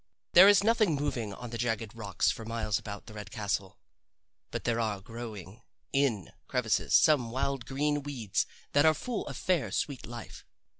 There is nothing moving on the jagged rocks for miles about the red castle, but there are growing in crevices some wild green weeds that are full of fair sweet life.